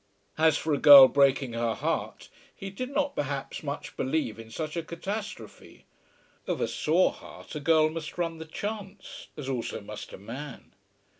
As for a girl breaking her heart, he did not, perhaps, much believe in such a catastrophe. Of a sore heart a girl must run the chance, as also must a man.